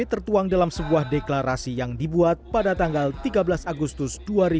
tertuang dalam sebuah deklarasi yang dibuat pada tanggal tiga belas agustus dua ribu dua puluh